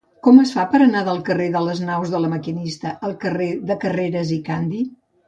Com es fa per anar del carrer de les Naus de La Maquinista al carrer de Carreras i Candi?